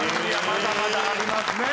まだまだありますね！